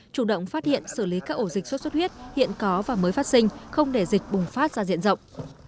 chủ động phát hiện xử lý các ổ dịch sốt xuất huyết hiện có và mới phát sinh không để dịch bùng phát ra diện rộng